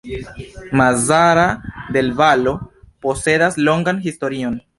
Mazara del Vallo posedas longan historion.